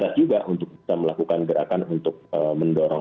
jadi kita bisa melakukan